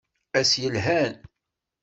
Ass yelhan!